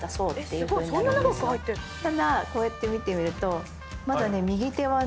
ただこうやって見てみると。